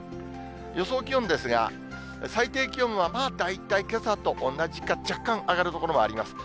予想気温ですが、最低気温は、大体けさと同じか、若干上がる所もあります。